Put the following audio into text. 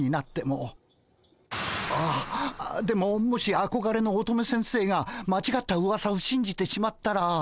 あっあでももしあこがれの乙女先生が間違ったうわさをしんじてしまったら。